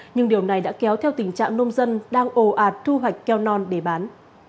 nhưng điều này đã kéo theo tình trạng nông dân đang ồ ạt thu hoạch keo non để bán